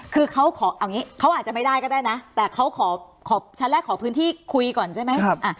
คือเขาขอเอาอย่างนี้เขาอาจจะไม่ได้ก็ได้นะแต่เขาขอชั้นแรกขอพื้นที่คุยก่อนใช่ไหม